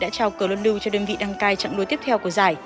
đã trao cờ luân lưu cho đơn vị đăng cai trạng đối tiếp theo của giải